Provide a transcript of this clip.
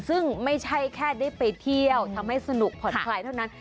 ซึ่งไม่ใช่แค่ได้ไปเที่ยวทำให้สนุกผ่อนคลายเท่านั้น